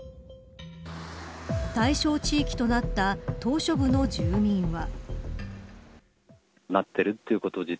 対象地域となった島しょ部の住民は。